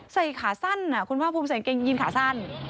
ใส่ขาสั้นคุณภาคภูมิใส่กางเกงยีนขาสั้น